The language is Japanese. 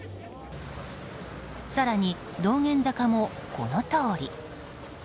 更に、道玄坂もこのとおり。